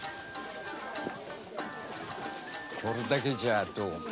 これだけじゃどうも。